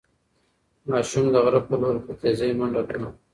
ماشوم د غره په لور په تېزۍ منډه کړه.